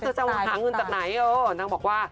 มีถากหาเงินจากไหนอะ